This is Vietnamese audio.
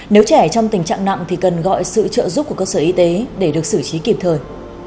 nếu trẻ trong tình trạng nặng thì cần gọi sự trợ giúp của cơ sở y tế để được xử trí kịp thời